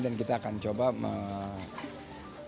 dan kita akan coba memperbolehkan